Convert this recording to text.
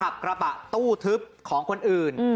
กระบะตู้ทึบของคนอื่น